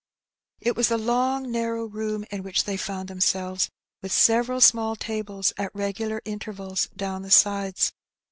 It was a long narrow room in which they found them selves, with several small tables at regular intervals down the sides.